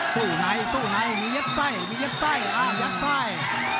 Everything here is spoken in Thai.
สู้ไหนสู้ไหนมียักษ์ไส้มียักษ์ไส้อ่ายักษ์ไส้